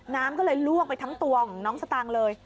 น้ำก็เลยลวกไปทั้งตัวของน้องสตางค์เลย